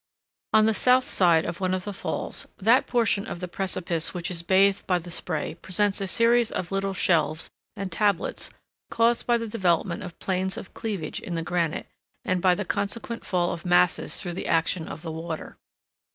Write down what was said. On the south side of one of the falls, that portion of the precipice which is bathed by the spray presents a series of little shelves and tablets caused by the development of planes of cleavage in the granite, and by the consequent fall of masses through the action of the water.